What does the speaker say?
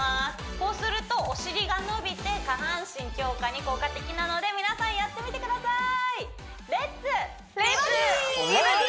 こうするとお尻が伸びて下半身強化に効果的なので皆さんやってみてください「レッツ！美バディ」